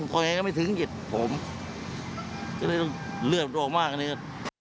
พอยังไม่ถึงผมเผโนะมากเลย